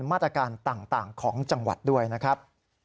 มาตรการต่างของจังหวัดด้วยนะครับ